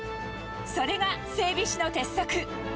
それが整備士の鉄則。